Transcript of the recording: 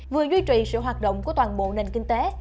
vừa duy trì sự hoạt động của toàn bộ nền kinh tế